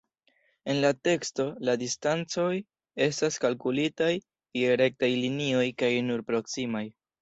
En la teksto, la distancoj estas kalkulitaj je rektaj linioj kaj nur proksimaj.